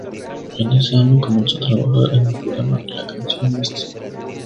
En ese año empezó a trabajar en el programa "La canción nuestra".